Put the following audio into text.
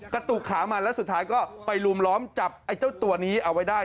กระตุกขามันแล้วสุดท้ายก็ไปลุมล้อมจับไอ้เจ้าตัวนี้เอาไว้ได้